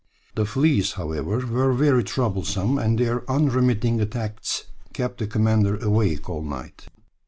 The fleas, however, were very troublesome, and their unremitting attacks kept the commander awake all night.